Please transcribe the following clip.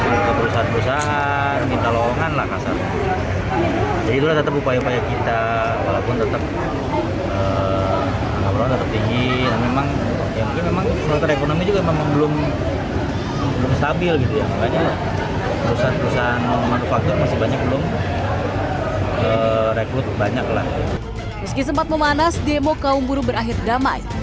meski sempat memanas demo kaum burung berakhir damai